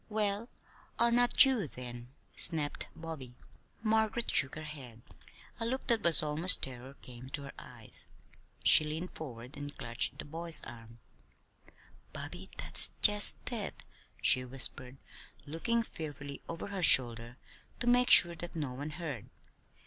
"Well, 'are not you,' then," snapped Bobby. Margaret shook her head. A look that was almost terror came to her eyes. She leaned forward and clutched the boy's arm. "Bobby, that's just it," she whispered, looking fearfully over her shoulder to make sure that no one heard.